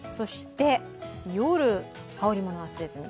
そして夜、羽織物忘れずに。